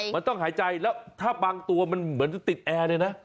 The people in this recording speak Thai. มันต้องหายใจแล้วถ้าบางตัวมันเหมือนจะติดแอร์เลยนะ